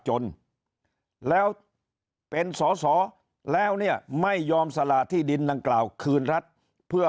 จนแล้วเป็นสอสอแล้วเนี่ยไม่ยอมสละที่ดินดังกล่าวคืนรัฐเพื่อ